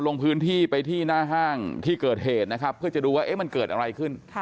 ลงพื้นที่ไปที่หน้าห้างที่เกิดเหตุนะครับเพื่อจะดูว่ามันเกิดอะไรขึ้น